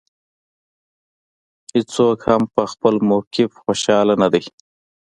هېڅوک هم په خپل موقف خوشاله نه دی.